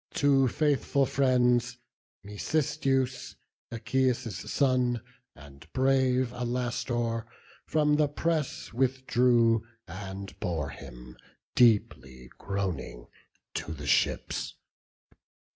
Two faithful friends, Mecisteus, Echius' son, And brave Alastor, from the press withdrew, And bore him, deeply groaning, to the ships.